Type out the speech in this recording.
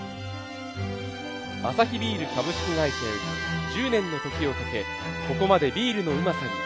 アサヒビール株式会社より「１０年の時をかけ、ここまでビールのうまさに！」